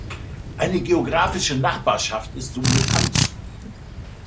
Eine geographische Nachbarschaft ist somit anzunehmen.